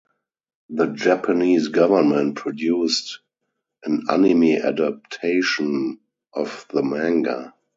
The Japanese government produced an anime adaption of the manga.